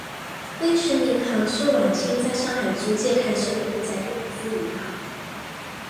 利升银行是晚清在上海租界开设的一家英资银行。